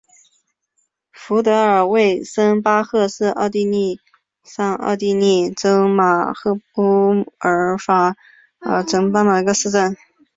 福德尔魏森巴赫是奥地利上奥地利州乌尔法尔城郊县的一个市镇。